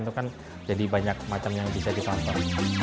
itu kan jadi banyak macam yang bisa ditonton